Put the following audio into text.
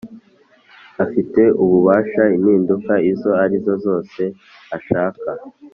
afite ububasha impinduka izo arizo zose ashaka